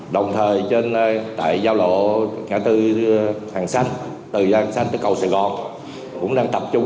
đồng thời tại giao lộ ngã tư hàng xanh từ hàng xanh tới cầu sài gòn